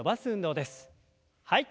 はい。